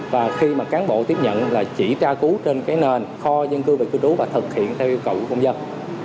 và khi mà cán bộ tiếp nhận là chỉ tra cứu trên cái nền kho dân cư về cư trú và thực hiện theo yêu cầu của công dân